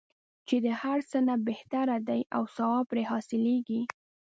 چې د هر څه نه بهتره دی او ثواب پرې حاصلیږي.